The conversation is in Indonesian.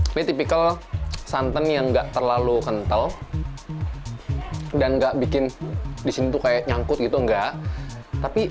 ini tipikal santan yang enggak terlalu kental dan enggak bikin disini tuh kayak nyangkut gitu enggak tapi